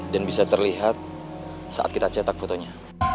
dan bisa terlihat saat kita cetak fotonya